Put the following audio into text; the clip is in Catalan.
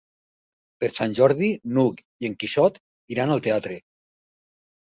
Per Sant Jordi n'Hug i en Quixot iran al teatre.